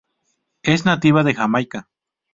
Es nativa de Jamaica.